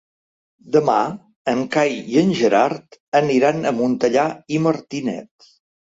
Demà en Cai i en Gerard aniran a Montellà i Martinet.